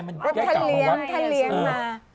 แข่งเต๋อวันอื้อ